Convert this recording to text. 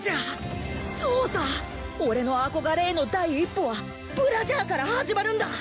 そうさ俺の憧れへの第一歩はブラジャーから始まるんだ！